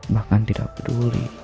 bahkan tidak peduli